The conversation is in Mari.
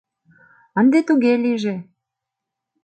Ынде туге лийже.